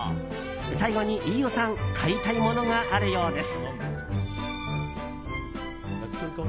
最後に飯尾さん買いたいものがあるようです。